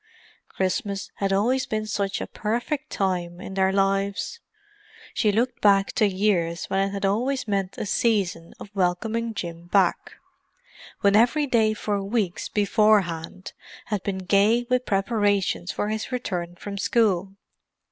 Christmas had always been such a perfect time in their lives: she looked back to years when it had always meant a season of welcoming Jim back; when every day for weeks beforehand had been gay with preparations for his return from school.